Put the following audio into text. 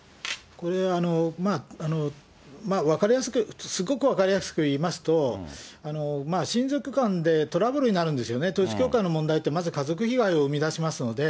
これはすごく分かりやすく言うと、親族間でトラブルになるんですよね、統一教会の問題って、まず家族被害を生み出しますので。